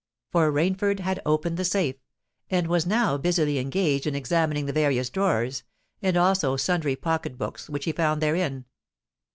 For Rainford had opened the safe, and was now busily engaged in examining the various drawers, and also sundry pocket books which he found therein.